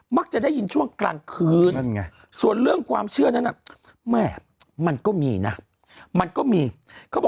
มักจะได้ยินช่วงกลางคืนส่วนเรื่องความเชื่อนั้นมันก็มีนะ